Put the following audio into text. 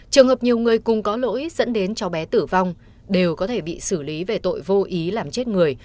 trường hợp nhiều người cùng có lỗi dẫn đến cháu bé tử vong đều có thể bị xử lý về tội vô ý làm chết người